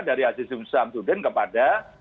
dari aziz hamzudin kepada